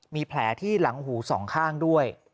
มีแผลที่หลังหูสองข้างด้วย